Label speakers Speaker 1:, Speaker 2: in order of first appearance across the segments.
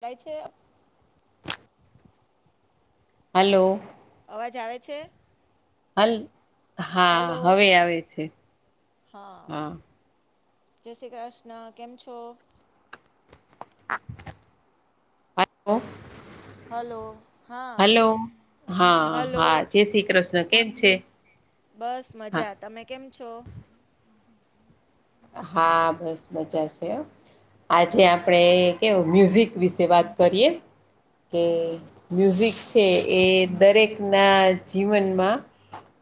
Speaker 1: [unintelligible] છે?
Speaker 2: હલો.
Speaker 1: અવાજ આવે છે?
Speaker 2: હાલ હા
Speaker 1: હલો
Speaker 2: હવે આવે છે હા
Speaker 1: જય શ્રી કૃષ્ણ કેમ છો?
Speaker 2: [unintelligible]
Speaker 1: હલો હા
Speaker 2: હલો હા
Speaker 1: હલો
Speaker 2: હા જય શ્રી કૃષ્ણ કેમ છે
Speaker 1: બસ
Speaker 2: હા
Speaker 1: મજા તમે કેમ છો
Speaker 2: હા બસ મજા છે હ આજે
Speaker 1: હમ
Speaker 2: આપણેે એવુ મ્યુઝિક વિશે વાત કરીએ કે
Speaker 1: હમ
Speaker 2: મ્યુઝિક છે એ દરેકના જીવનમાં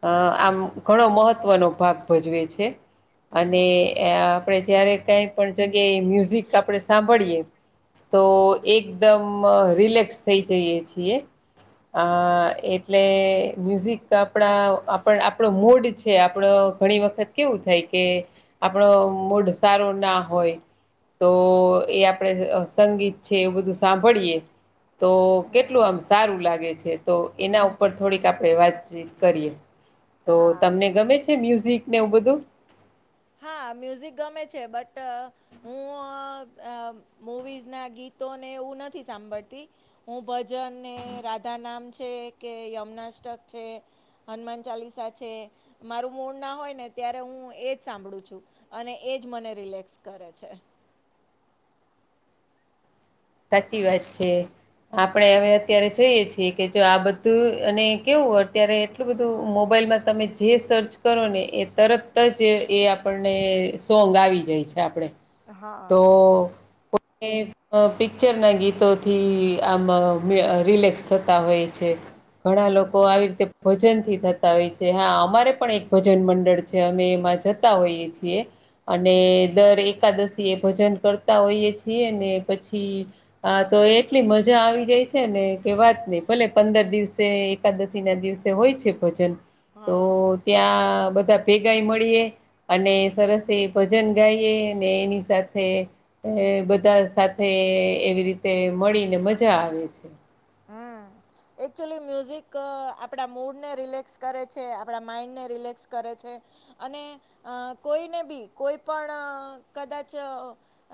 Speaker 2: અ આમ ઘણો મહત્વનો ભાગ ભજવે છે અને
Speaker 1: હમ
Speaker 2: આપણે જયારે કઈ પણ જગ્યાએ મ્યુઝિક આપણે સાંભળીએ તો એકદમ રિલેક્સ થઈ જઈએ છીએ. અ એટલે મ્યુઝિક તો આપણા આપણો મૂડ છે આપણો ઘણી વખત કેવું થાય કે આપણો મોઢ સારો ના હોય તો એ આપણેે સંગીત છે એવું બધું સાંભળીએ તો
Speaker 1: હમ
Speaker 2: કેટલું આમ સારું લાગે છે. તો એના ઉપર થોડીક આપણે વાતચીત કરીએ તો
Speaker 1: હા
Speaker 2: તમને ગમે છે મ્યુઝિક ને એવું બધું
Speaker 1: હા મ્યુઝિક ગમે છે બટ હું અ મુવીઝના ગીતોને એવું નથી સાંભળતી. હું ભજનને રાધા નામ છે કે યમુનાસ્ટ્ટક છે હનુમાન ચાલીસા છે મારું મૂળ ના હોય ને ત્યારે હું એ જ સાંભળું છું અને એજ મને રિલેક્સ કરે છે.
Speaker 2: સાચી વાત છે આપડે હવે અત્યારે જોઈએ છે કે જો આ બધું અને કેવું અત્યારે એટલું બધું મોબાઈલમાં તમે જે સર્ચ કરો ને એ તરત જ એ આપણને સોંગ આવી જાય છે આપડે
Speaker 1: હા
Speaker 2: તો કોઈને અ પિક્ચરનાં ગીતોથી આમાં રિલેક્સ થતા હોય છે. ઘણા લોકો આવી રીતે ભજનથી થતા હોય છે હા અમારે પણ એક ભજન મંડળ છે અમે એમાં જતા હોઈએ છીએ. અને દર એકાદશી એ ભજન કરતા હોઈય છીએ ને પછી હા તો એટલી મજા આવી જાય છે ને કે વાત નઈ ભલે પંદર દિવસે એકાદશી ના દિવસે હોય છે ભજન તો
Speaker 1: હા
Speaker 2: ત્યાં બધા ભેગાય મળીએ અને સરસ એ ભજન ગાઈએ અને એની સાથે બધા તે એવી રીતે મળીને મજા આવે છે.
Speaker 1: હા એકક્ચુલી મ્યુઝિક આપણા મૂડને રિલેક્સ કરે છે આપણા માઇન્ડને રિલેક્સ કરે છે. અને અ કોઈને બી કોઈ પણ કદાચ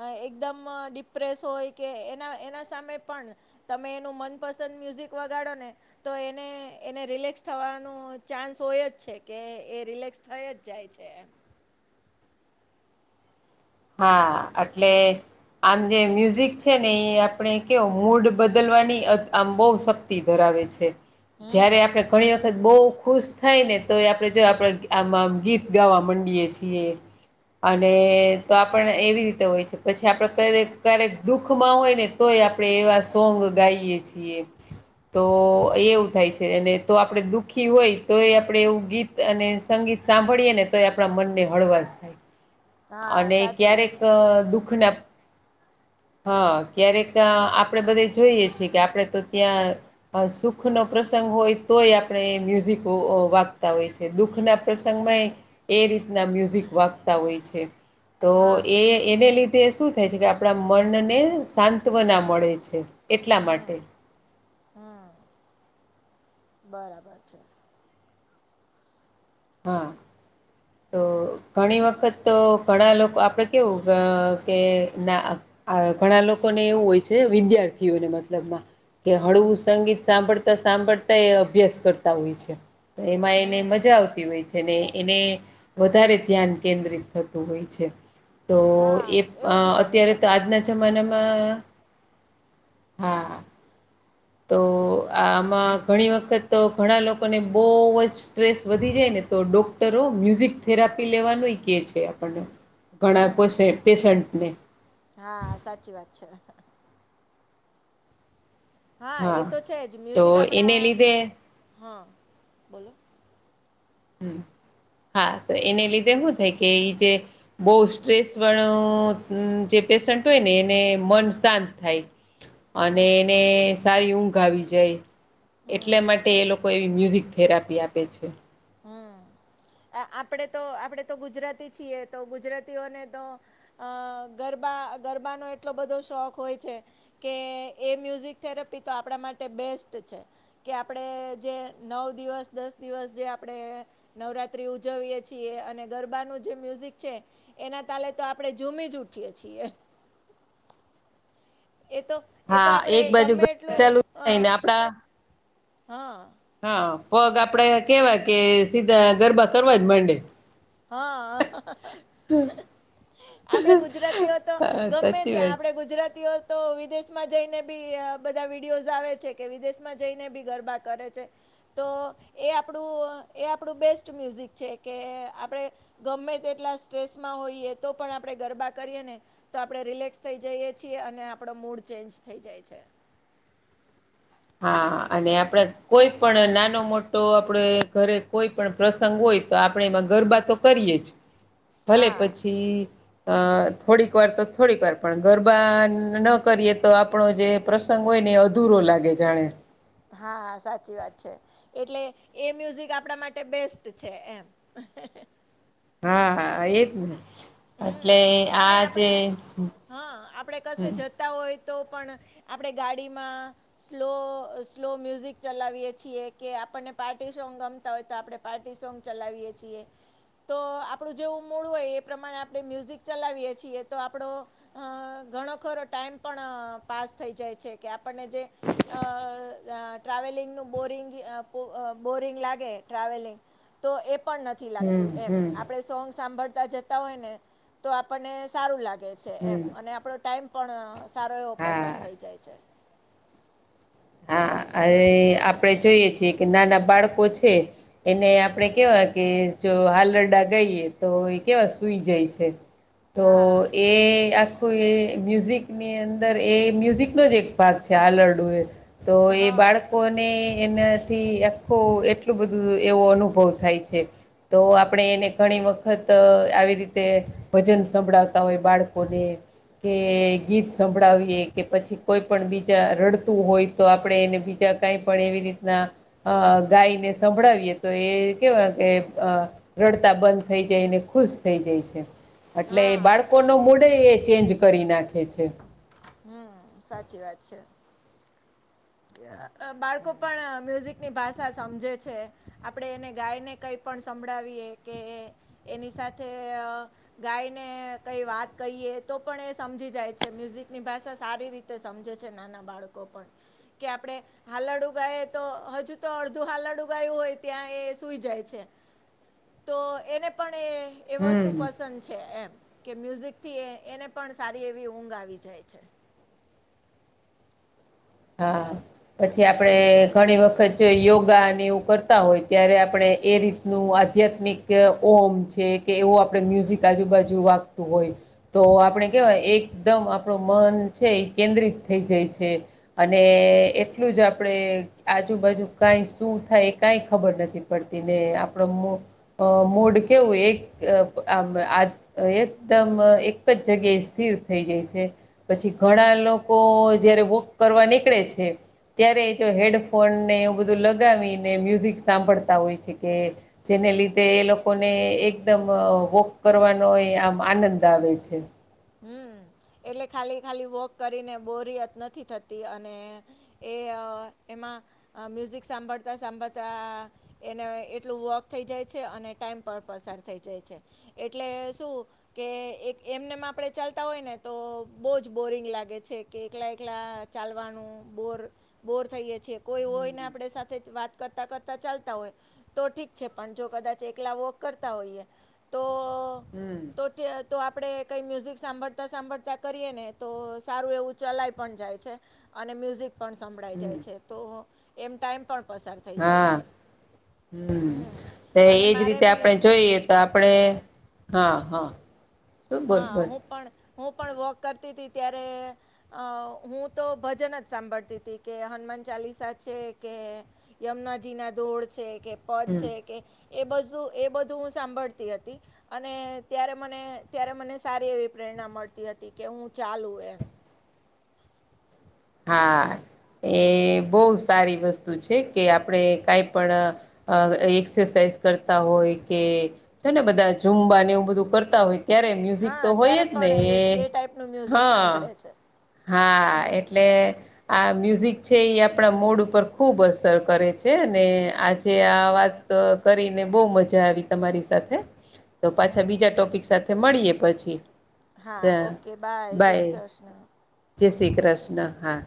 Speaker 1: અ એકદમ ડિપ્રેસ હોય કે એના એના સામે પણ તમે એનું મન પસંદ મ્યુઝિક વગાડો ને તો એને એને રિલેક્સ થવાનો ચાન્સ હોય જ છે કે એ રિલેક્સ થય જ જાય છે એમ.
Speaker 2: હા અટલે આમ જે મ્યુઝિક છે ને એ આપણે કેવ મૂડ બદલવાની આમ બહ શક્તિ ધરાવે છે
Speaker 1: હમ
Speaker 2: જય્યારે આપણે ઘણી વખત બહુ ખુશ થાય ને તો એ આપણે જો આપણે આમાં ગીત ગાવા માંડીએે છીએ. અને તો આપને એવી રીતે હોય છે પછી આપડે ક્યારેક ક્યારેક દુઃખમાં હોય ને તોય આપણે એવા સોંગ ગાઈએ છીએ. તો એવું થાય છે અને તો આપણેે દુઃખી હોય તો એ આપણેે એવું ગીત અને સંગીત સાંભળીએ ને તો એ આપણા મનને હળવાશ થાય
Speaker 1: હા
Speaker 2: અને
Speaker 1: સાચી વાત
Speaker 2: ક્યારેક
Speaker 1: છે
Speaker 2: દુઃખના હા ક્યારેક આપડે બધે જોઈએ છેએ કે આપણે તો ત્યાં સુખ નો પ્રસંગ હોય તોય આપણે મ્યુઝિક વાગતા હોય છે. દુઃખના પ્રસંગમાં એ રીતના મ્યુઝિક વાગતા હોય છે. તો
Speaker 1: હા
Speaker 2: એ એને લીધે શું થાય છે કે આપણા મનને સાંત્વના મળે છે એટલા
Speaker 1: હમ
Speaker 2: માટે.
Speaker 1: હમ બરાબર છે.
Speaker 2: હા તો ઘણી વખત તો ઘણા લોકો આપડે કેવું કે ના આ ઘણા લોકોને એવું હોય છે વિદ્યાર્થીઓને મતલબમાં કે
Speaker 1: હા
Speaker 2: હળવું સંગીત સાંભળતા સાંભળતા એ અભ્યાસ કરતા હોય છે. તો એમાં એને
Speaker 1: હમ
Speaker 2: મજા આવતી હોય એને વધારે ધ્યાન કેન્દ્રિત થતું હોય છે. તો એ
Speaker 1: હા એવું બી બની
Speaker 2: અત્યારે તો
Speaker 1: શકે છે
Speaker 2: આજના જમાનામાં હા
Speaker 1: હમ
Speaker 2: તો. આમાં ઘણી વખત તો ઘણા લોકોને બોવ જ સ્ટ્રેસ વધી જાય ને તો ડો ટરો મ્યુઝિક થેરાપી લેવાનુંય કે છે આપણને ઘણાં પેશન્ટને.
Speaker 1: હા, સાચી વાત છે. હા, એ તો છે જ
Speaker 2: તો
Speaker 1: મ્યુઝિક આપડા
Speaker 2: એને લીધે
Speaker 1: હા, બોલો.
Speaker 2: હા, તો એને લીધે શું થાય કે એ જે બો સ્ટ્રેસ વાળો જે પેશન્ટ હોય ને એને મન શાંત થાય. અને એને સારી ઊંઘ આવી જાય. એટલે માટે એ લોકો એવી મ્યુઝિક થેરાપી આપે છે.
Speaker 1: હમ, આપણે તો આપણેે તો ગુજરાતી છીએ તો ગુજરાતીઓને તો અ ગરબા ગરબાનો એટલો બધો શોખ હોય છે. કે એ મ્યુઝિક થેરપી તો આપણા માટે બેસ્ટ છે. કે આપણેે જે નવ દિવસ દસ દિવસ જે આપ આપણે નવરાત્રિ ઉજવીએ છીએ અને ગરબાનું જે મ્યુઝિક છે. એના તાલે તો આપડે ઝૂમી જ ઉઠીએ છીએ. એ તો એ તો
Speaker 2: હા
Speaker 1: આપડે
Speaker 2: એક બાજુ
Speaker 1: ગમે એટલુ
Speaker 2: ચાલુ
Speaker 1: અ
Speaker 2: થાય ને આપડા
Speaker 1: હા.
Speaker 2: હા, પગ આપડે કેવાય કે સીધા ગરબા કરવા જ માંડે.
Speaker 1: હા. [unintelligible] આપડે ગુજરાતીઓ તો
Speaker 2: હા
Speaker 1: ગમે
Speaker 2: સાચી
Speaker 1: ત્યાં
Speaker 2: વાત
Speaker 1: આપણેે ગુજરાતીઓ તો વિદેશમાં જઈને બી બધા વિડીયોઝ આવે છે કે વિદેશમાં જઈને બી ગરબા કરે છે. તો એ આપણું એ આપણું બેસ્ટ મ્યુઝિક છે કે આ આપણે ગમે તેટલા સ્ટ્રેસમાં હોઈએ તો પણ આપણે ગરબા કરીએ ને તો આપણે રિલેક્સ થઈ જઈએ છીએ અને આપણો મૂડ ચેન્જ થઈ જાય છે.
Speaker 2: હા, અને આપણે કોઈ પણ નાનો મોટો આપણે ઘરે કોઈ પણ પ્રસંગ હોય તો આપણે એમાં ગરબા તો કરીએ જ.
Speaker 1: [inaudible]
Speaker 2: ભલે પછી અ થોડીક વાર તો થોડીક વાર પણ ગરબા ન કરીએ તો આપણો જે પ્રસંગ હોય ને એ અધૂરો લાગે જાણે.
Speaker 1: હા હા, સાચી વાત છે. એટલે એ મ્યુઝિક આપણા માટે બેસ્ટ છે એમ.
Speaker 2: હા હા, એજ ને.
Speaker 1: હમ
Speaker 2: એટલે
Speaker 1: અને
Speaker 2: આજે
Speaker 1: આપણે
Speaker 2: હમ.
Speaker 1: તા હોય તો પણ આપણે ગાડીમાં સ્લો સ્લો મ્યુઝિક ચલાવીએ છીએ કે આપણને પાર્ટી સોંગ ગમતા હોય તો આપડે પાર્ટી સોંગ ચલાવીએ છીએ તો આપણું જેવું મૂળ હોય એ પ્રમાણે આપણે મ્યુઝિક ચલાવીએ છીએ તો આપડો અ ઘણો ખરો ટાઈમ પણ પાસ થઈ જાય છે કે આપણને જે અ ટ્રાવેલિંગનું બોરિંગ અ બોરિંગ લાગે ટ્રાવેલિંગ. તો એ પણ નથી થી
Speaker 2: હમ
Speaker 1: લાગતું એમ
Speaker 2: હમ
Speaker 1: આપણે સૌવ સાંભળતા જતા હોય ને તો આપણને સારું લાગે. છે એમ
Speaker 2: હમ
Speaker 1: અને આપણો ટાઈમ પણ સારો એવો પસાર
Speaker 2: હા
Speaker 1: થઈ જાય છે.
Speaker 2: હા, અને આપડે જોઈએ છીએ કે નાના બાળકો છે. એને આપડે કેવા કે જો હાલરડા ગઈએ. તો એ કેવા સૂઈ જાય છે તો
Speaker 1: હા
Speaker 2: એ આ આખું એ મ્યુઝિકની અંદર એ મ્યુઝિકનો જ એક ભાગ છે આલરડું એ. તો એ
Speaker 1: હા
Speaker 2: બાળક. કોને એનાથી આખો એટલું બધું એવો અનુભવ થાય છે. તો આપણે એને ઘણી વખત આવી રીતે ભજન સંભળાવતા હોય બાળકોને. કે ગીત સંભળાવીએ કે પછી કોઈ પણ બીજા રડતું હોય. તો આપણે એને બીજા કઈ પણ એવી રીતના. અ ગાયને સંભળાવીએ તો એ કેવાય કે રડતા બંધ થઇ જાયને ખુશ થઈ જાય છે. એટલે એ
Speaker 1: હા
Speaker 2: બાળકો ન મૂડ એ ચેન્જ કરી નાખે છે.
Speaker 1: હમ સાચી વાત છે. બાળકો પણ મ્યુઝિકની ભાષા સમજે છે આપણે એને ગાઈને કંઈ પણ સંભળાવીએ કે એની સાથે ગાયને કઈ વાત કહીએ તો પણ એ સમજી જાય છે મ્યુઝિકની ભાષા સારી રીતે તે સમજે છે નાના બાળકો પણ. કે આપણે હાલડ ઉગાય તો હજુ તો અડધું હાલડ ઉગાયું હોય ત્યાં એ સુઈ જાય છે. તો એને પણ એ એ વસ્તુ
Speaker 2: હમ.
Speaker 1: પસંદ છે એમ કે મ્યુઝિકથી એ એને પણ સારી એવી ઊંઘ આવી જાય છે.
Speaker 2: હા પછી આપડે ઘણી વખત યોગા એવું કર હોય ત્યારે આપણે એ રીતનું આધ્યાત્મિક ઓમ છે કે એવું આપણે મ્યુઝિક આજુબાજુ વાગતું હોય. તો
Speaker 1: હમ
Speaker 2: આપણે કહેવાય એકદમ આપણું મન છે એ કેન્દ્રિત થઈ જાય છે. અને એટલું જ આપણે. આજુબાજુ કઈ શું થાય એ કઈ ખબર નથી પડતી ને આપડો મો અ મૂડ કેવું એક આ એકદમ એક જ જગ્યાએ સ્થિર થઈ જાય છે. પછી ઘણા લોકો જયારે વોક કરવા નીકળે છે ત્યારે એ જો હેડફો ફોનને એવું બધું લગાવીને મ્યુઝિક સાંભળતા હોય છે કે જેને લીધે એ લોકોને એકદમ વોક કરવાનો એ આમ આનંદ આવે છે.
Speaker 1: હમ એટલે ખાલી ખાલી વોક કરીને બોરિયત નથી થતી અને એ એમાં મ્યુઝિક સાંભળતા સાંભળતા એને એટલું વોક થઈ જાય છે અને ટાઈમ પર પસાર થઈ જાય છે. એટલે શું કે એક એમને મા આપણે ચાલતા હોય ને તો બહુ જ બોરિંગ લાગે છે કે એકલા એકલા ચાલવાનું બોર બોર થઈએ છેીએ કોઈ હોય ને આપણે સાથે વાત કરતા કરતા ચાલતા હોય. તો ઠીક છે પણ જો કદાચ એકલા વોક કરતા હોઈએ તો
Speaker 2: હમ.
Speaker 1: તો આપડે કઈ મ્યુઝિક સાંભળતા સાંભળતા કરીએ ને તો સારું એવું ચલાય પણ જાય છે. અને મ્યુઝિક પણ સંભળાઈ
Speaker 2: હમ
Speaker 1: જાય છે તો એમ ટાઈમ પણ પસાર થઈ જાય
Speaker 2: હા
Speaker 1: છે.
Speaker 2: હમ
Speaker 1: અને
Speaker 2: એજ
Speaker 1: મારે
Speaker 2: રીતે
Speaker 1: બી
Speaker 2: આપણે જોઈએ તો આપડણે.
Speaker 1: હા
Speaker 2: હા હા બોલ
Speaker 1: હા
Speaker 2: બોલ
Speaker 1: હું પણ હું પણ વોક કરતી હતી ત્યારે અ હું તો ભજન જ સાંભળતી હતી કે હનુમાન ચાલીસા છે કે યમુનાજી ના દોડ છે કે પદ
Speaker 2: હમ
Speaker 1: છે કે એ બધું એ બધું હું સાંભળતી હતી અને ત્યારે મને ત્યારે મને સારી એવી પ્રેરણા મળતી હતી કે હું ચાલુ એમ
Speaker 2: હા એ બહુ સારી વસ્તુ છે કે આપણે કઈ પણ અ એક્સરસાાઈઝ કરતા હોય કે છે ને બધા ઝૂમબાને એવું બધું કરતા હોય ત્યારે મ્યુઝિક તો
Speaker 1: હા
Speaker 2: હોય
Speaker 1: ત્યારે
Speaker 2: જ ને
Speaker 1: પણ એ એ ટાઈપનું મ્યુઝિક
Speaker 2: હા
Speaker 1: સાંભળે છે
Speaker 2: હા
Speaker 1: હમ
Speaker 2: એટલે આ મ્યુઝિક છે એ આપણા મોડ ઉપર ખૂબ અસર કરે છે ને આજે આ વાત તો કરીને બહુ મજા આવી તમારી સાથે
Speaker 1: હ
Speaker 2: તો પાછા બીજા ટોપિક સાથે મળીએ પછી
Speaker 1: હા ઓકે બાય જય શ્રી કૃષ્ણ
Speaker 2: જય શ્રી કૃષ્ણ હા